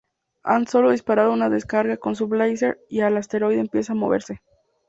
Han Solo dispara una descarga con su blaster y el asteroide empieza a moverse.